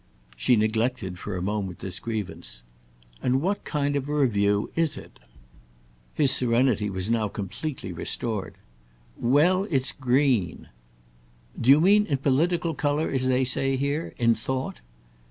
She neglected for a moment this grievance. "And what kind of a Review is it?" His serenity was now completely restored. "Well, it's green." "Do you mean in political colour as they say here—in thought?"